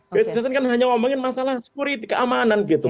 bssn kan hanya ngomongin masalah security keamanan gitu